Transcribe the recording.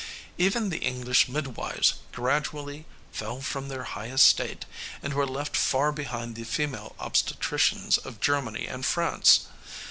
Even the English midwives gradually "fell from their high estate," and were left far behind the female obstetricians of Germany and France.